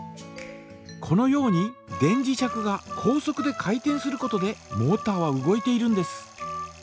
このように電磁石が高速で回転することでモータは動いているんです。